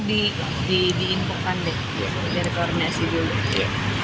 nanti di info kan deh dari koordinasi dulu